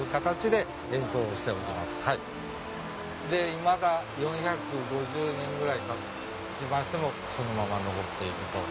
いまだ４５０年ぐらいたちましてもそのまま残っていると。